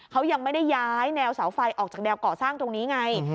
เขายังไม่ได้ย้ายแนวเสาไฟออกจากแนวก่อสร้างตรงนี้ไง